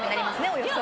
およそ。